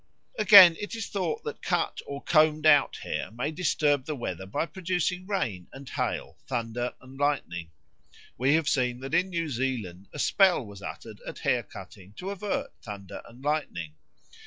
Again it is thought that cut or combed out hair may disturb the weather by producing rain and hail, thunder and lightning. We have seen that in New Zealand a spell was uttered at hair cutting to avert thunder and lightning.